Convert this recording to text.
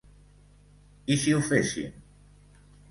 I si ho fessin?